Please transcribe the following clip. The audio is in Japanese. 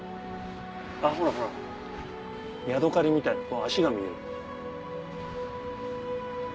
ほらほらヤドカリみたいな脚が見える。